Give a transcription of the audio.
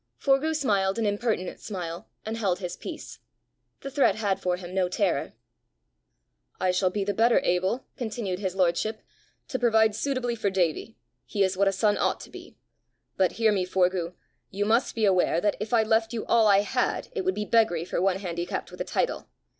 Forgue smiled an impertinent smile and held his peace: the threat had for him no terror. "I shall be the better able," continued his lordship, "to provide suitably for Davie; he is what a son ought to be! But hear me, Forgue: you must be aware that, if I left you all I had, it would be beggary for one handicapped with a title.